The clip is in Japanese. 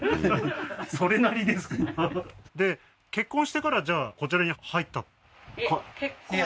それなりですかで結婚してからじゃあこちらに入った？